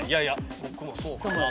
僕もそうかなと。